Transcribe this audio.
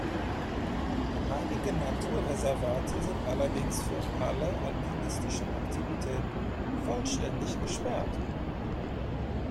Einige Naturreservate sind allerdings für alle alpinistischen Aktivitäten vollständig gesperrt.